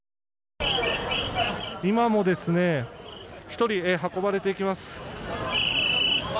今も、１人運ばれていきます。